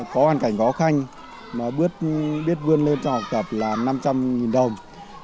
có hoàn cảnh khó khăn mà biết vươn lên cho học tập là năm trăm linh đồng